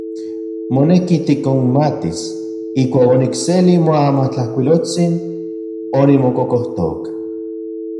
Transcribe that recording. Moneki tikonmatis ijkuak onikseli moamatlajkuiloltsin onimokokojtoka.